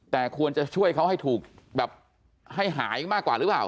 แต่ควรจะช่วยเขาให้ถูกแบบให้หายมากกว่าหรือเปล่า